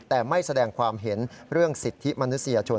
แต่ไม่แสดงความเห็นเรื่องสิทธิมนุษยชน